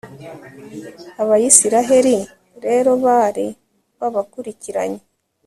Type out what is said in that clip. abayisraheli rero bari babakurikiranye